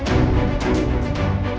aku mau ke sana